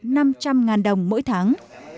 năm trăm linh ngàn đồng mỗi tháng